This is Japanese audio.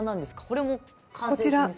これも完成品ですか？